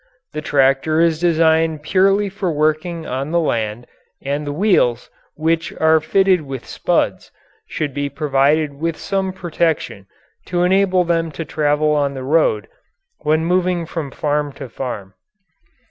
The tractor is designed purely for working on the land, and the wheels, which are fitted with spuds, should be provided with some protection to enable them to travel on the road when moving from farm to farm.